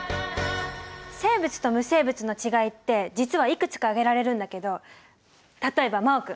生物と無生物のちがいって実はいくつか挙げられるんだけど例えば真旺君。